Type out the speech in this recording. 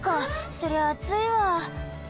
そりゃあついわ。